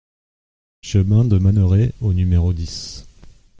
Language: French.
Chemin de Manneret au numéro dix